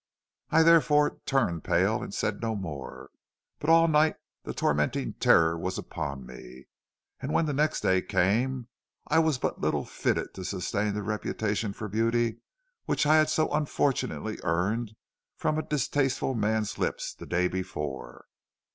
I therefore turned pale and said no more, but all night the tormenting terror was upon me, and when the next day came I was but little fitted to sustain the reputation for beauty which I had so unfortunately earned from a distasteful man's lips the day before.